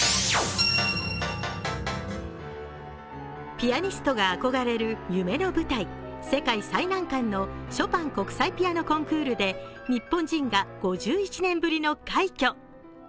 ピアニストが憧れる夢の舞台、世界最難関のショパン国際ピアノコンクールで日本人が５１年ぶりの快挙。